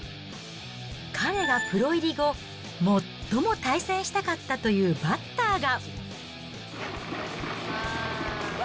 彼がプロ入り後、最も対戦したかったというバッターが。